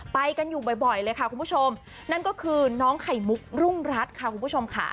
ไปกันอยู่บ่อยเลยค่ะคุณผู้ชมนั่นก็คือน้องไข่มุกรุ่งรัฐค่ะคุณผู้ชมค่ะ